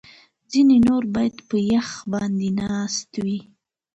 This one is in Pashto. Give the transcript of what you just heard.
ځینې نور بیا په یخ باندې ناست وي